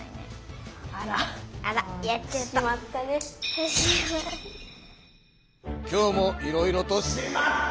あら今日もいろいろと「しまった！」